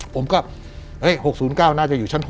ผมก็๖๐๙น่าจะอยู่ชั้น๖